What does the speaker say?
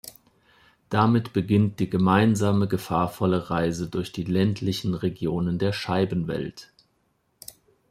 Damit beginnt die gemeinsame, gefahrvolle Reise durch die ländlichen Regionen der Scheibenwelt.